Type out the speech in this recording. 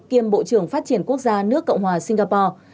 kiêm bộ trưởng phát triển quốc gia nước cộng hòa singapore